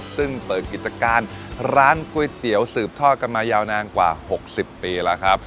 ซึ่งเปิดกิจการร้านก๋วยเตี๋ยวสืบทอดกันมายาวนานกว่า๖๐ปีแล้วครับ